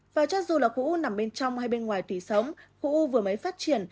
và cho dù là khổ u nằm bên trong hay bên ngoài tùy sống khổ u vừa mới phát triển